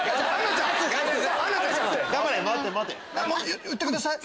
もう言ってください。